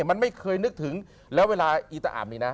มันไม่เคยนึกถึงแล้วเวลาอีตะอาบมีนะ